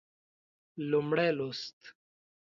لومړی لوست